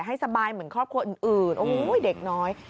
ให้สบายเหมือนครอบครัวอื่นโอ้โหเด็กน้อย